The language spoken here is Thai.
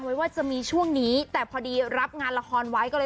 ให้ชาวเน